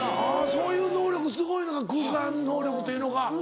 そういう能力すごいのか空間能力というのか。